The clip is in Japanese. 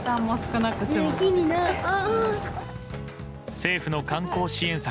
政府の観光支援策